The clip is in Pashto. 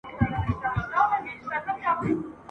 پرښاخونو به مو پېغلي ټالېدلای ..